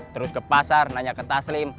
terus ke pasar nanya ke taslim